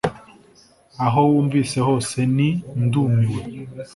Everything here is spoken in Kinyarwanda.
Aho wumvise hose n ndumiwe